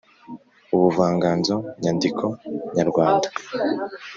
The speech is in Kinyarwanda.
ubuvanganzo nyandiko nyarwanda